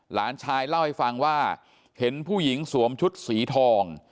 หลานชายเล่าให้ฟังว่าเห็นผู้หญิงสวมชุดสีทอง